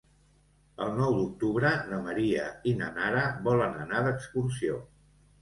El nou d'octubre na Maria i na Nara volen anar d'excursió.